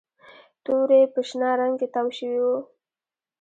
توري په شنه رنګ کې تاو شوي وو